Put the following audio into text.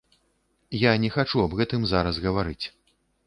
Я не хачу аб гэтым зараз гаварыць.